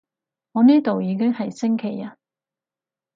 我呢度已經係星期日